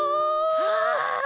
はい！